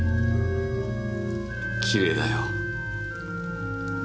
きれいだよ。